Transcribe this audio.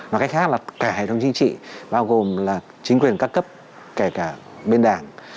và cách khác là cả hệ thống chính trị bao gồm là chính quyền các cấp kể cả bên đảng